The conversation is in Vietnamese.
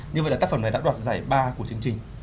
như vậy là tác phẩm này đã đoạt giải ba của chương trình